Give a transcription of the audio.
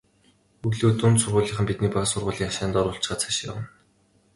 Өглөө дунд сургуулийнхан биднийг бага сургуулийн хашаанд оруулчихаад цаашаа явна.